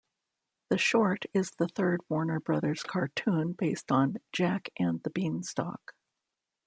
The short is the third Warner Brothers cartoon based on "Jack and the Beanstalk".